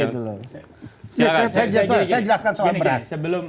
saya jelaskan soal beras